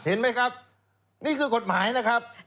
เห็นไหมครับนี่คือกฎหมายนะครับ